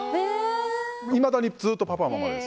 いまだにずっとパパ、ママで。